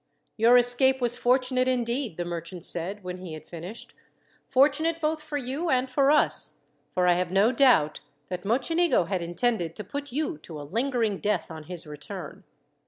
"Your escape was fortunate, indeed," the merchant said when he had finished. "Fortunate both for you and for us, for I have no doubt that Mocenigo had intended to put you to a lingering death, on his return.